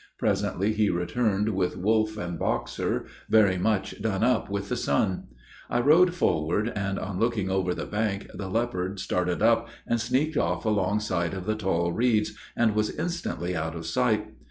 Presently he returned with Wolf and Boxer, very much done up with the sun. I rode forward, and, on looking over the bank, the leopard started up and sneaked off alongside of the tall reeds, and was instantly out of sight.